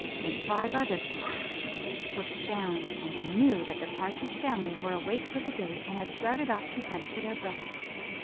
Then five other "whir r s" would sound, and you knew that the partridge family were awake for the day, and had started off to hunt for their breakfast.